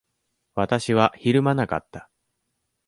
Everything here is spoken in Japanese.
私はひるまなかった。